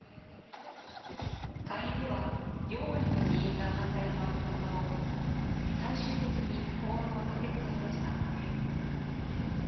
下院では４割の議員が反対に回ったものの、最終的に法案は可決されました。